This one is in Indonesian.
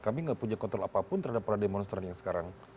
kami tidak punya kontrol apapun terhadap para demonstran yang sekarang